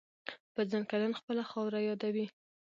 په ځانکدن خپله خاوره یادوي.